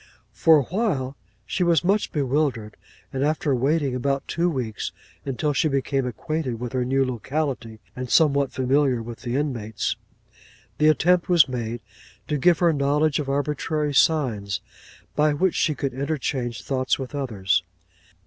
'For a while, she was much bewildered; and after waiting about two weeks, until she became acquainted with her new locality, and somewhat familiar with the inmates, the attempt was made to give her knowledge of arbitrary signs, by which she could interchange thoughts with others.